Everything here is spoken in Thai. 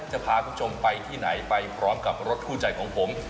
จะพาคุณผู้ชมไปที่ไหนไปพร้อมกับรถคู่ใจของผม